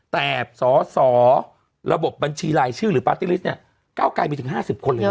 แต่สอสอระบบบัญชีรายชื่อหรือปาร์ตี้ลิสต์เนี่ยเก้าไกรมีถึง๕๐คนเลยนะ